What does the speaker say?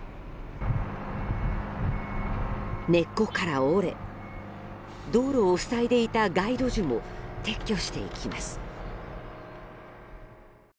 根っこから折れ道路を塞いでいた街路樹も撤去していきます。